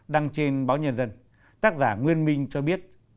đăng trên báo nhân dân tác giả nguyên minh cho biết